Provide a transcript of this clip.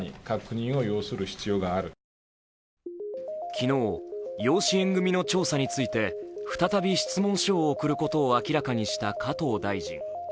昨日、養子縁組の調査について再び質問書を送ることを明らかにした加藤大臣。